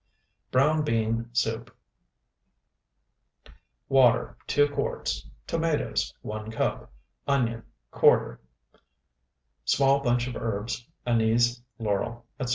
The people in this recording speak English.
BROWN BEAN SOUP Water, 2 quarts. Tomatoes, 1 cup. Onion, ¼. Small bunch of herbs, anise, laurel, etc.